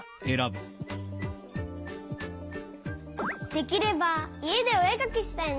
できればいえでおえかきしたいな。